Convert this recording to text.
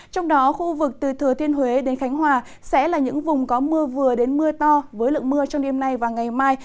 trong đó khu vực từ thừa thiên huế đến khánh hòa sẽ là những vùng có mưa vừa đến mưa to với lượng mưa trong đêm nay và ngày mai